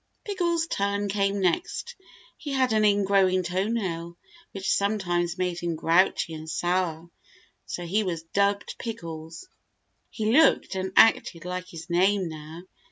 Pickles's turn came next. He had an ingrowing toe nail, which sometimes made him grouchy and sour, so he was dubbed Pickles. He looked and acted like his name now.